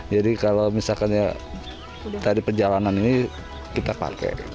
jadi kalau misalkan ya tadi perjalanan ini kita pakai